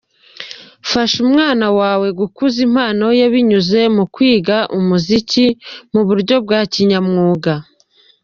Fasha umwana wawe gukuza impano ye binyuze mu kwiga umuziki mu buryo bwa kinyamwuga.